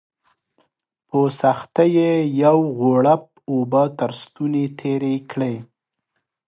په سختۍ یې یو غوړپ اوبه تر ستوني تېري کړې